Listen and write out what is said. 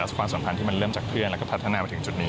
ความสัมพันธ์ที่มันเริ่มจากเพื่อนแล้วก็พัฒนามาถึงจุดนี้